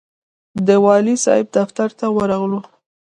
د والي صاحب دفتر ته ورغلو.